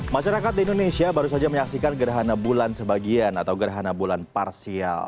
masyarakat di indonesia baru saja menyaksikan gerhana bulan sebagian atau gerhana bulan parsial